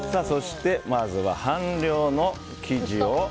そして、まずは半量の生地を。